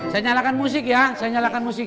saya nyalakan musik ya saya nyalakan musik